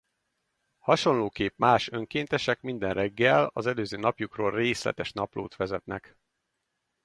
Hasonlóképp más önkéntesek minden reggel az előző napjukról részletes naplót vezetnek.